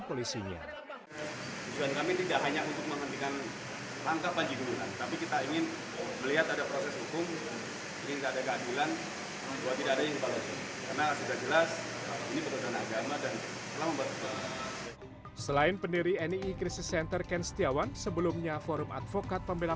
polisinya selain pendiri eni krisis center ken setiawan sebelumnya forum advokat pembelah